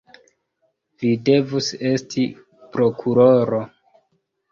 Vi devus esti prokuroro!